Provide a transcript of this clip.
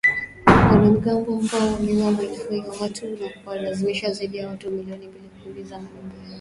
Wanamgambo ambao wameua maelfu ya watu na kuwalazimisha zaidi ya watu milioni mbili kukimbia nyumba zao